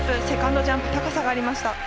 セカンドジャンプ高さがありました。